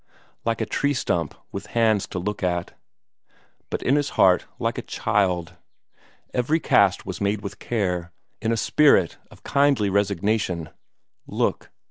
Like a tree stump with hands to look at, but in his heart like a child. Every cast was made with care, in a spirit of kindly resignation. Look!